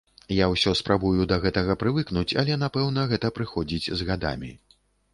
Я ўсё спрабую да гэтага прывыкнуць, але, напэўна, гэта прыходзіць з гадамі.